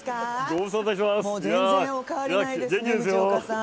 もう全然お変わりないですね、藤岡さん。